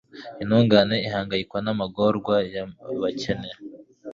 Intungane ihangayikwa n’amagorwa y’abakene